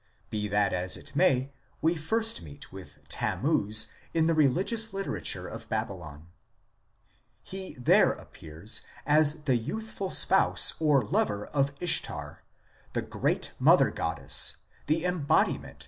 ... Be that as it may, we first meet with Tammuz in the religious literature of Babylon. He there appears as the youthful spouse or lover of Ishtar, the great mother goddess, the embodiment of 1 Jeremias, Holle